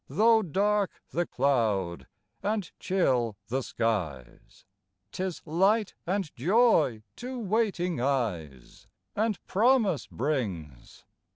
Though dark the cloud, and chill the skies, 'Tis light and joy to waiting eyes, And promise brings.